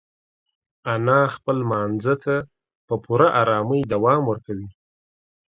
انا خپل لمانځه ته په پوره ارامۍ دوام ورکوي.